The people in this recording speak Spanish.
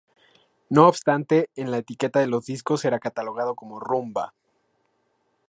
No obstante, en la etiqueta de los discos era catalogado como "rumba".